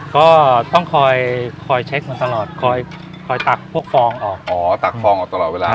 ก็ต้องคอยคอยเช็คมาตลอดคอยคอยตักพวกฟองออกอ๋อตักฟองออกตลอดเวลา